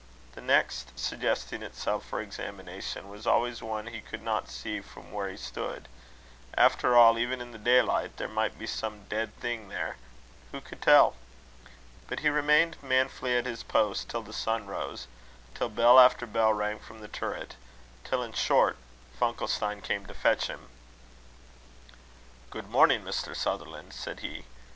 The next suggesting itself for examination, was always one he could not see from where he stood: after all, even in the daylight, there might be some dead thing there who could tell? But he remained manfully at his post till the sun rose; till bell after bell rang from the turret; till, in short, Funkelstein came to fetch him. "Good morning, Mr. Sutherland," said he.